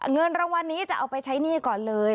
เงินรางวัลนี้จะเอาไปใช้หนี้ก่อนเลย